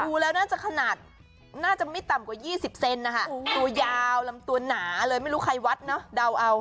ดูแล้วน่าจะขนาดน่าจะไม่ต่ำกว่า๒๐เซนนะคะตัวยาวลำตัวหนาเลยไม่รู้ใครวัดเนอะเดาเอา